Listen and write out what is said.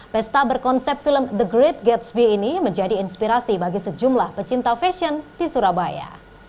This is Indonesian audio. pesta berkonsep film the great gatsby ini menjadi inspirasi bagi sejumlah pecinta fashion di surabaya